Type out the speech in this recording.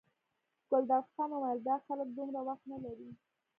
ګلداد خان وویل دا خلک دومره وخت نه لري.